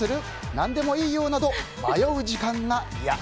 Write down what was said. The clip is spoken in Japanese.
何でもいいよなど迷う時間が嫌。